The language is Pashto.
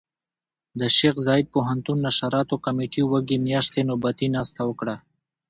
د شيخ زايد پوهنتون نشراتو کمېټې وږي مياشتې نوبتي ناسته وکړه.